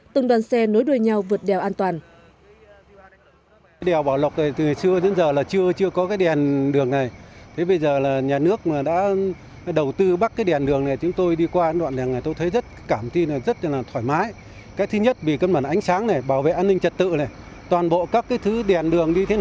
từng đoàn xe nối đuôi nhau vượt đèo an toàn